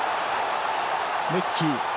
レッキー！